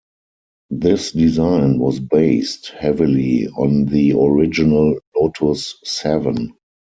This design was based heavily on the original Lotus Seven.